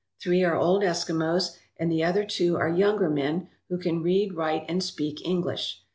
Three are old Eskimos, and the other two are younger men who can read, write, and speak English.